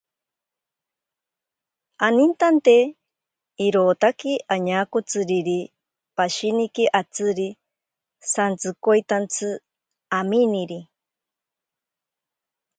Anintante irotaki añakotsiriri pashiniki atziri santsikoitantsi aminiri.